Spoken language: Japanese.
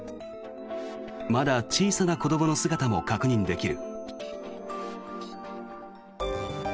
まだ小さな子どもの姿も確認できる。